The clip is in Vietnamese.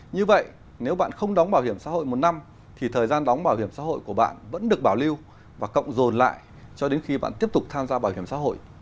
như vậy nếu bạn không đóng bảo hiểm xã hội một năm thì thời gian đóng bảo hiểm xã hội của bạn vẫn được bảo lưu và cộng dồn lại cho đến khi bạn tiếp tục tham gia bảo hiểm xã hội